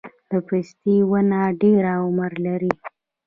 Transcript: د پستې ونه ډیر عمر لري؟